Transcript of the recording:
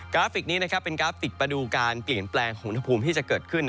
ราฟิกนี้เป็นกราฟิกมาดูการเปลี่ยนแปลงของอุณหภูมิที่จะเกิดขึ้น